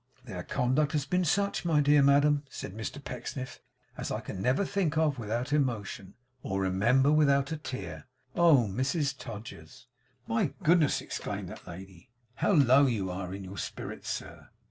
'Their conduct has been such, my dear madam,' said Mr Pecksniff, 'as I can never think of without emotion, or remember without a tear. Oh, Mrs Todgers!' 'My goodness!' exclaimed that lady. 'How low you are in your spirits, sir!